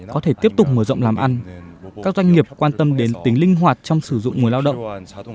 các doanh nghiệp quan tâm đến tính linh hoạt trong sử dụng môi lao động